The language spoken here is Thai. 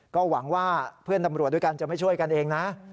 ก็หวังว่าเพื่อนตำรวจด้วยกันจะไม่ช่วยกันเองนะ